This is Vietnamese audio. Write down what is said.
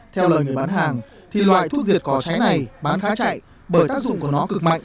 theo lời người bán hàng thì loại thuốc diệt cỏ cháy này bán khá chạy bởi tác dụng của nó là thuốc diệt cỏ cháy